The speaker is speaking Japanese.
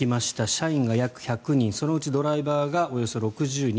社員が約１００人そのうちドライバーがおよそ６０人。